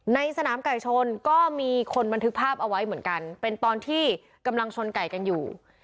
ในสนามไก่ชนก็มีคนบันทึกภาพเอาไว้เหมือนกันเป็นตอนที่กำลังชนไก่กันอยู่